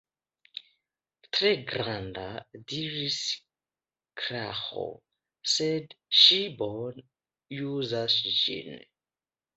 Tre granda, diris Klaro, sed ŝi bone uzas ĝin.